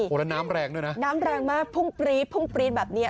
แล้วน้ำแรงด้วยนะน้ำแรงมากพุ่งปรี๊ดพุ่งปรี๊ดแบบนี้